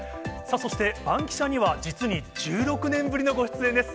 そしてバンキシャには、実に１６年ぶりのご出演です。